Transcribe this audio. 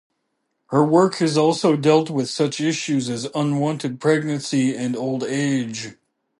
Her work has also dealt with such issues as unwanted pregnancy and old age.